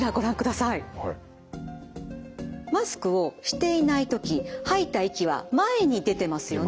マスクをしていない時吐いた息は前に出てますよね。